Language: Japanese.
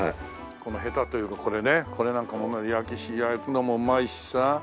このヘタというかこれねこれなんかも焼くのもうまいしさ。